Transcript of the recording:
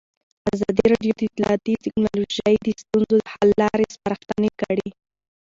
ازادي راډیو د اطلاعاتی تکنالوژي د ستونزو حل لارې سپارښتنې کړي.